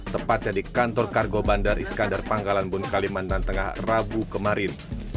tepatnya di kantor kargo bandar iskandar panggalan bun kalimantan tengah rabu kemarin